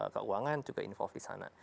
baik itu keuangan juga involve di sana